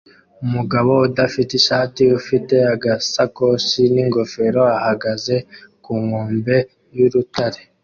Umugabo udafite ishati ufite agasakoshi n'ingofero ahagaze ku nkombe y'urutare